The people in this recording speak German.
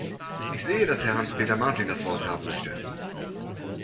Ich sehe, dass Herr Hans-Peter Martin das Wort haben möchte.